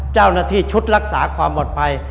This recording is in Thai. เจ้าหน้าที่ชุดรักษาความปลอดภัย